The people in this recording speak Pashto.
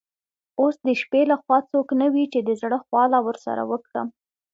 اوس د شپې له خوا څوک نه وي چي د زړه خواله ورسره وکړم.